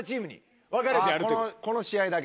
あぁこの試合だけ。